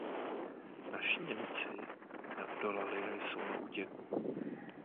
Naši Němci neodolali a jsou na útěku.